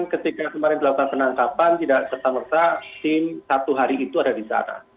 ketika kemarin telah berpenangkapan tidak serta merta tim satu hari itu ada disana